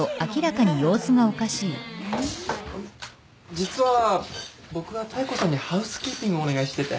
実は僕が妙子さんにハウスキーピングをお願いしてて。